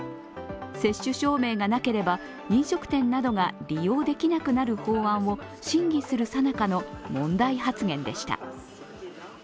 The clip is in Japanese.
接種証明がなければ飲食店などが利用できなくなる法案を審議するさなかの問題発言でした。